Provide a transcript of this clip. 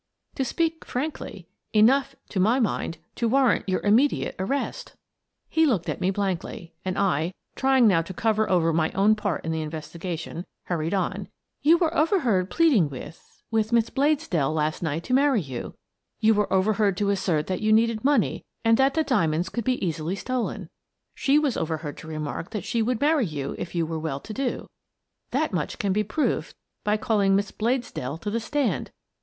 "" To speak frankly, enough, to my mind, to war rant your immediate arrest." 136 Miss Frances Baird, Detective He looked at me blankly, and I, trying now to cover over my own part in the investigation, hur ried on: " You were overheard pleading with — with Miss Bladesdell last night to marry you; you were over heard to assert that you needed money and that the diamonds could be easily stolen. She was over heard to reply that she would marry you if you were well to do. That much can be proved by calling Miss Bladesdell to the stand."